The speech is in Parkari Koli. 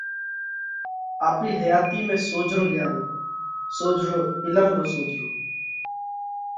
آپرِي حياتِي ۾ سوجھرو لياوو، سوجھرو عِلم رو سوجھرو۔